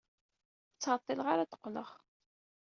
Ur ttɛeḍḍileɣ ara ad d-qqleɣ.